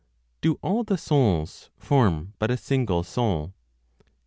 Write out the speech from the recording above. Do all the Souls form but a Single Soul?